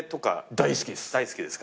大好きです。